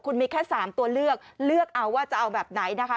คุณมีแค่๓ตัวเลือกเลือกเอาว่าจะเอาแบบไหนนะคะ